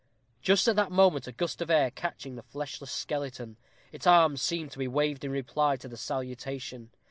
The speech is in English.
Just at that moment a gust of air catching the fleshless skeleton, its arms seemed to be waved in reply to the salutation.